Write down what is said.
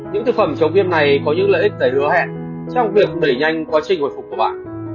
những thực phẩm chống viêm này có những lợi ích để hứa hẹn trong việc đẩy nhanh quá trình hồi phục của bạn